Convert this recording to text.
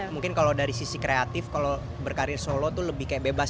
mungkin kalau dari sisi kreatif kalau berkarir solo itu lebih kayak bebas